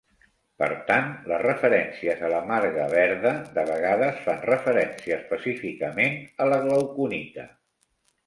Per tant, les referències a la "marga verda" de vegades fan referència específicament a la glauconita.